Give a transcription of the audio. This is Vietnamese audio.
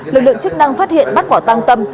lực lượng chức năng phát hiện bắt quả tăng tâm